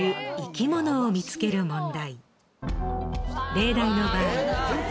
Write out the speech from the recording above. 例題の場合。